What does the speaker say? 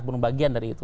belum bagian dari itu